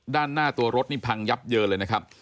ด้านหน้าตัวรถนี่พังยับเยินเลยนะครับ